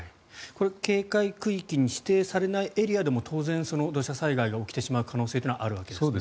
警戒区域に指定されないエリアでも当然、土砂災害が起きてしまう可能性はあるわけですか？